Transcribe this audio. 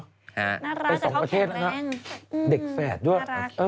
น่ารักเดี๋ยวเขาแข็งแรงเด็กแฝดด้วย